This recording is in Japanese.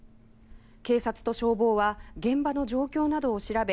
警察と消防は現場の状況などを調べ